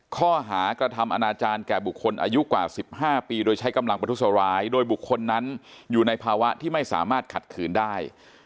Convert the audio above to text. ข้อหากระทำอนาจารย์แก่บุคคลอายุกว่า๑๕ปีโดยใช้กำลังประทุษร้ายโดยบุคคลนั้นอยู่ในภาวะที่ไม่สามารถขัดขืนได้